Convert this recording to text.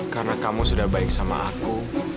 karena kamu sudah baik sama aku